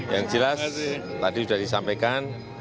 yang jelas tadi sudah disampaikan